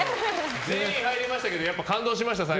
全員良かったけど感動しました。